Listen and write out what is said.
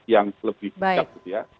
yang lebih penting